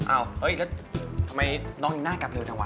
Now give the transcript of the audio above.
เฮ้ยแล้วทำไมน้องยังน่ากลับเร็วจังว